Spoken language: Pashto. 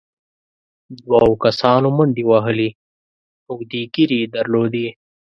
دوو کسانو منډې وهلې، اوږدې ږېرې يې درلودې،